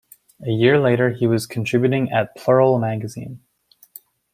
A year later he was contributing at "Plural" magazine.